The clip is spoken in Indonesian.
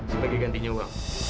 sebagai gantinya uang